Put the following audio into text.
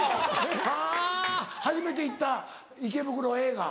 はぁ初めて行った池袋映画？